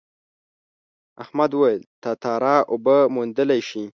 احمد وویل تتارا اوبه موندلی شي.